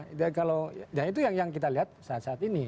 itu yang kita lihat saat saat ini